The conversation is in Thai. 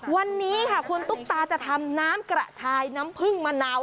วันนี้ค่ะคุณตุ๊กตาจะทำน้ำกระชายน้ำผึ้งมะนาว